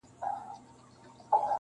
• یو خزان یې په تندي کي رالیکلی -